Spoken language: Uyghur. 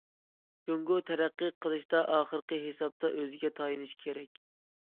جۇڭگو تەرەققىي قىلىشتا، ئاخىرقى ھېسابتا ئۆزىگە تايىنىشى كېرەك.